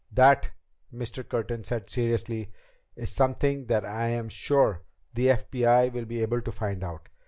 "That," Mr. Curtin said seriously, "is something that I am sure the FBI will be able to find out.